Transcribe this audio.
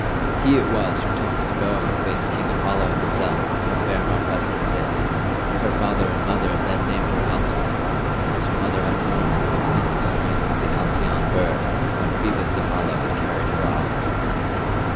He it was who took his bow and faced King Apollo himself for fair Marpessa's sake; her father and mother then named her Alcyone, because her mother had mourned with the plaintive strains of the halcyon bird when Phoebus Apollo had carried her off.